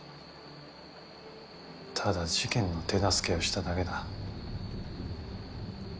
ただ事件の手助けをしただけだ。